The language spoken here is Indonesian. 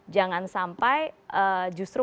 jangan sampai justru